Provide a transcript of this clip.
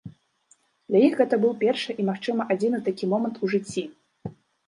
Для іх гэта быў першы і, магчыма адзіны такі момант у жыцці!